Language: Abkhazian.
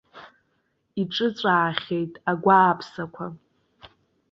Иҿыцәаахьеит агәааԥсақәа.